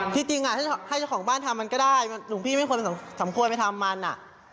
จริงถ้าให้เจ้าของบ้านทำมันก็ได้หลวงพี่ไม่ควรสมควรไปทำมัน